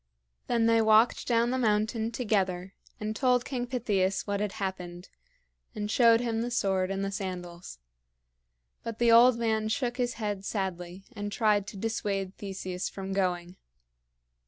Then they walked down the mountain together and told King Pittheus what had happened, and showed him the sword and the sandals. But the old man shook his head sadly and tried to dissuade Theseus from going.